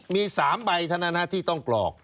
มี๓ใบทนาที่ต้องกรอก